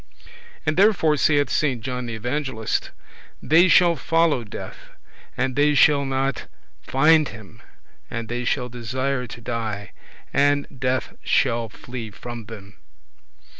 And therefore saith Saint John the Evangelist, "They shall follow death, and they shall not find him, and they shall desire to die, and death shall flee from them."